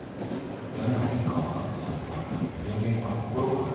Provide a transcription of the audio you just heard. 何が起きるかが分かっていた方が人間は心が安定する。